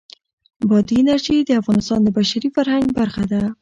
بادي انرژي د افغانستان د بشري فرهنګ برخه ده.